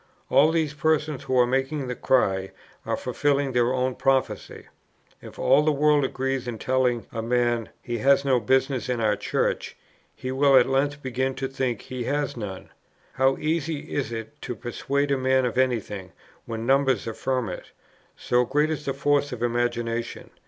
All these persons, who are making the cry, are fulfilling their own prophecy. If all the world agree in telling a man, he has no business in our Church, he will at length begin to think he has none. How easy is it to persuade a man of any thing, when numbers affirm it! so great is the force of imagination.